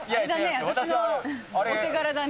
私のお手柄だね。